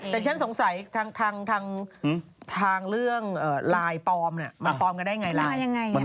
แต่ฉันสงสัยทางเรื่องไลน์ปลอมมันปลอมกันได้ไงล่ะ